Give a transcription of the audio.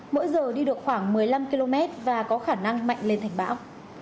mỗi giờ đi được khoảng một mươi năm km và có khả năng mạnh lên thành bão